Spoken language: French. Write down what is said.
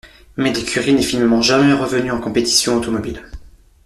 Mais l'écurie n'est finalement jamais revenu en compétition automobile.